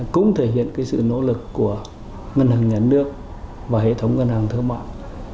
cũng thể hiện cái sự nỗ lực của ngân hàng nhà nước và hệ thống ngân hàng thơ mạng